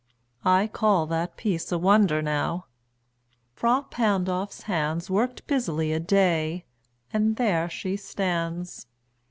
I call That piece a wonder, now: Frà Pandolf's hands Worked busily a day, and there she stands.